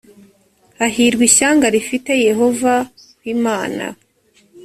hahirwa ishyanga rifite yehova ho imana